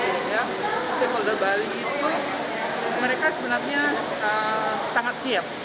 sehingga stakeholder bali itu mereka sebenarnya sangat siap